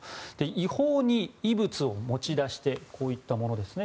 違法に遺物を持ち出してこういったものですね。